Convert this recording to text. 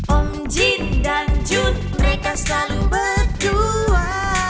om jin dan jun mereka selalu berdua